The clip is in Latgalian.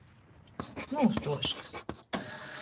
Nūstuošks.